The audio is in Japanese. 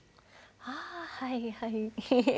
ああはいはい。